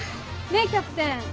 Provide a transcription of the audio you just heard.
ねっキャプテン。